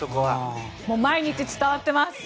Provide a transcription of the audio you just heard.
毎日伝わっています。